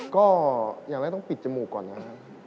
ก็อย่างแรกต้องปิดจมูกก่อนนะครับ